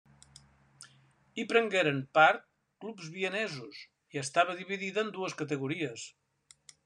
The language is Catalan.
Hi prengueren part clubs vienesos i estava dividida en dues categories.